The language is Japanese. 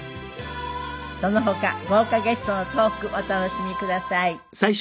その他豪華ゲストのトークお楽しみください。